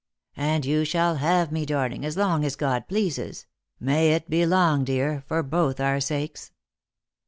" And you shall have me, darling, as long as God pleases. May it be long, dear, for both our sakes